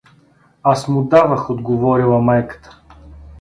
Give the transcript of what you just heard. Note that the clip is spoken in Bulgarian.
Аз му давах отговорила майката.